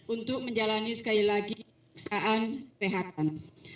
untuk menjalani sekali lagi pemeriksaan kesehatan